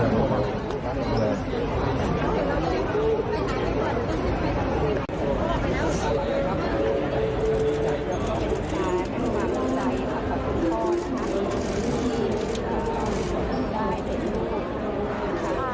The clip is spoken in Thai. นะคะเยี่ยมมากฮะ